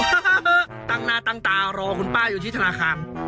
ตั้งหน้าตั้งตารอคุณป้าอยู่ที่ธนาคาร